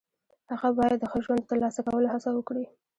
هغه باید د ښه ژوند د ترلاسه کولو هڅه وکړي.